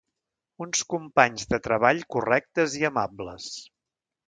Uns companys de treball correctes i amables.